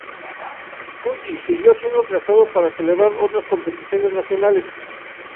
Fuji siguió siendo trazado para celebrar otras competiciones nacionales.